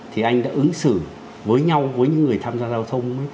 thì anh đã ứng xử với nhau với những người tham gia giao thông